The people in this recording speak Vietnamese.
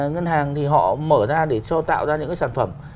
ngân hàng thì họ mở ra để cho tạo ra những cái sản phẩm